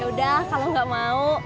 ya udah kalau nggak mau